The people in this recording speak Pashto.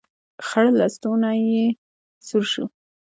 خړ لستوڼی يې سور شو.